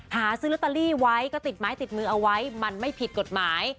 หาซื้อลอตเตอรี่ไว้ก็ติดไม้ติดมือเอาไว้มันไม่ผิดกฎหมาย